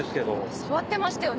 触ってましたよね？